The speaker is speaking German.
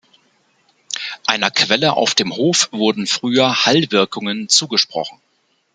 Einer Quelle auf dem Hof wurden früher Heilwirkungen zugesprochen.